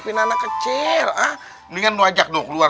bikin anak kecil mendingan lu ajak lu keluar